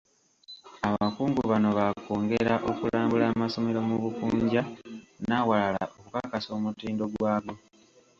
Abakungu bano baakwongera okulambula amasomero mu Bukunja n’awalala, okukakasa omutindo gwa go.